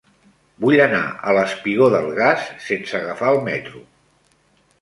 Vull anar al espigó del Gas sense agafar el metro.